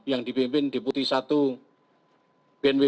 yang dipimpin diputi i bnpb dan bnpb